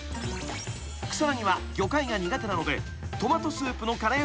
［草薙は魚介が苦手なのでトマトスープのカレーをチョイス］